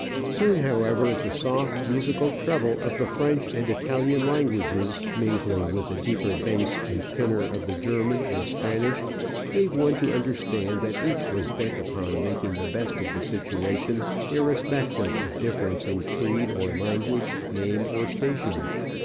Soon, however, the soft, musical treble of the French and Italian languages, mingling with the deeper bass and tenor of the German and Spanish, gave one to understand that each was bent upon making the best of the situation, irrespective of difference in creed or language, name or station.